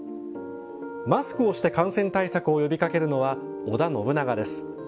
マスクをして感染対策を呼びかけるのは、織田信長です。